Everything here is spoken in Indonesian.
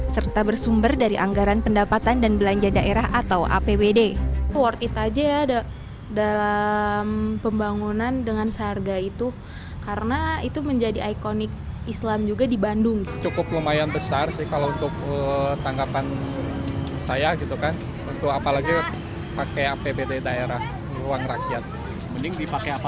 serta bersumber dari anggaran pendapatan dan belanja daerah atau apbd